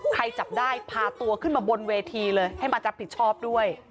จับได้พาตัวขึ้นมาบนเวทีเลยให้มารับผิดชอบด้วย